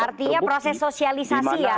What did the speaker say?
artinya proses sosialisasi ya